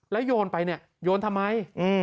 แล้วโยนไปโยนทำไม